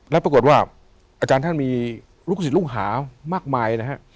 แล้วปรากฏว่าอาจารย์ท่านมีลูกศิษย์ลูกหามากมายนะฮะ